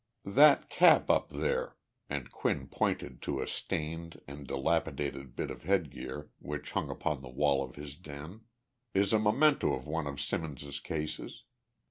"That cap up there," and Quinn pointed to a stained and dilapidated bit of headgear which hung upon the wall of his den, "is a memento of one of Simmons's cases.